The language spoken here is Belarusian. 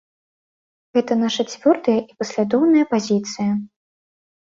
Гэта наша цвёрдая і паслядоўная пазіцыя.